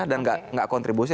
dan enggak kontribusi